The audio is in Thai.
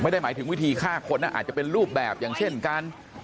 ไม่ได้หมายถึงวิธีฆ่าคนนะอาจจะเป็นรูปแบบอย่างเช่นการ